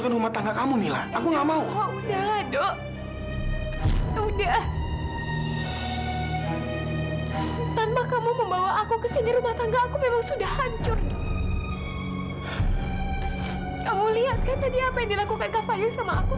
kalau benar dia adalah fadil